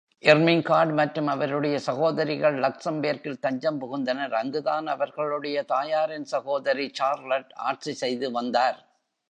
Irmingard மற்றும் அவருடைய சகோதரிகள் லக்சம்பேர்க்கில் தஞ்சம் புகுந்தனர், அங்குதான் அவர்களுடைய தாயாரின் சகோதரி சார்லட் ஆட்சி செய்துவந்தார்.